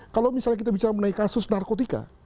kalau misalnya kita bicara mengenai kasus narkotika